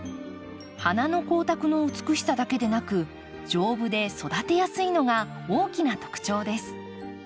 花の光沢の美しさだけでなく丈夫で育てやすいのが大きな特徴です。